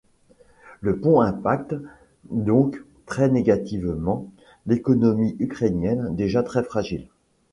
Le pont impacte donc très négativement l'économie ukrainienne déjà très fragile.